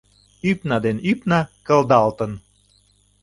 Ӱпна ден ÿпна кылдалтын